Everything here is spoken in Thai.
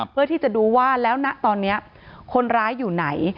เพื่อที่จะดูว่าแล้วนะตอนนี้คนร้ายอยู่ไหน